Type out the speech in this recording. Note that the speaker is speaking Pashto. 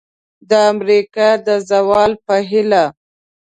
د امریکا د زوال په هیله!